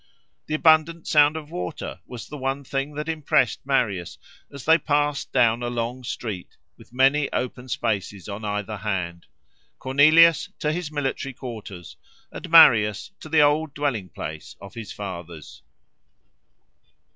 The abundant sound of water was the one thing that impressed Marius, as they passed down a long street, with many open spaces on either hand: Cornelius to his military quarters, and Marius to the old dwelling place of his fathers.